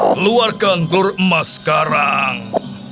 keluarkan telur emas sekarang